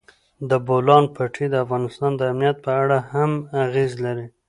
د بولان پټي د افغانستان د امنیت په اړه هم اغېز لري.